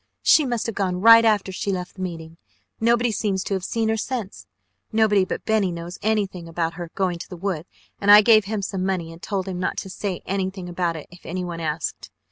She must have gone right after she left the meeting. Nobody seems to have seen her since. Nobody but Benny knows anything about her going to the woods and I gave him some money and told him not to say anything about it if anyone asked.